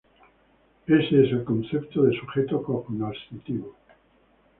Este es el concepto de sujeto cognoscitivo.